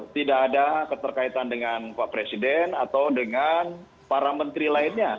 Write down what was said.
tidak ada keterkaitan dengan pak presiden atau dengan para menteri lainnya